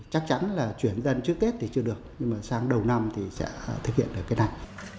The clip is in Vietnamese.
chắc chắn là chuyển dân trước tết thì chưa được nhưng mà sang đầu năm thì sẽ thực hiện được cái này